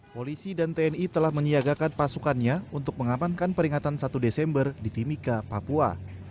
polisi dan tni telah menyiagakan pasukannya untuk mengamankan peringatan satu desember di timika papua